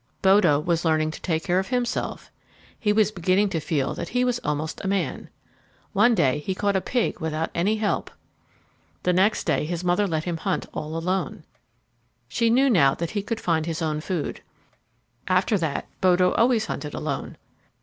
Bodo was learning to take care of himself. He was beginning to feel that he was almost a man. One day he caught a pig without any help. The next day his mother let him hunt all alone. She knew now that he could find his own food. After that Bodo always hunted alone.